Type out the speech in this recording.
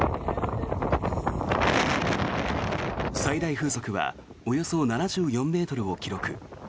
最大風速はおよそ７４ｍを記録。